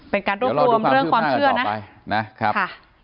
เป็นการรวบรวมเรื่องความเชื่อนะนะครับ